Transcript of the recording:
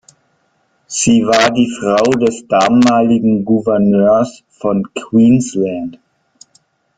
Sie war die Frau des damaligen Gouverneurs von Queensland.